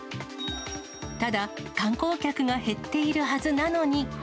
ただ、観光客が減っているはずなのに。